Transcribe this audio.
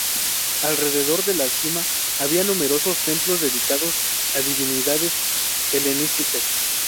Alrededor de la sima había numerosos templos dedicados a divinidades Helenísticas.